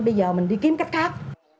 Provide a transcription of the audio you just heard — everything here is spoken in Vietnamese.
bây giờ mình đi kiếm cách khác